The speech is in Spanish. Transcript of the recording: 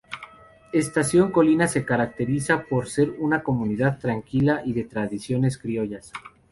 Estación Colina se caracteriza por ser una comunidad tranquila y de tradiciones criollas.